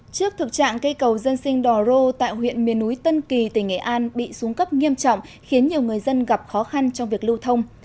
trước thực trạng cây cầu dân sinh đò rô tại huyện miền núi tân kỳ tỉnh nghệ an bị xuống cấp nghiêm trọng khiến nhiều người dân gặp khó khăn trong việc lưu thông